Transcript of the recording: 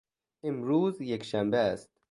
امروز یکشنبه است.